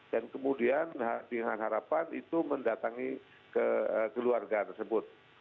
dan kemudian dengan harapan itu mendatangi ke keluarga tersebut